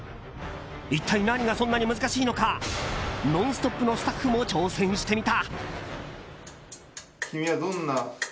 一体何がそんなに難しいのか「ノンストップ！」のスタッフも挑戦してみた。